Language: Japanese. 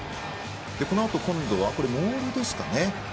このあとモールですかね。